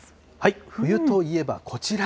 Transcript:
冬といえばこちら。